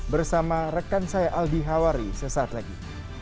bersama rekan saya aldi hawari sesaat lagi